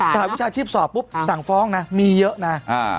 หวิชาชีพสอบปุ๊บสั่งฟ้องนะมีเยอะนะ